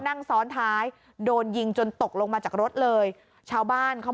นั่งซ้อนท้ายโดนยิงจนตกลงมาจากรถเลยชาวบ้านเขา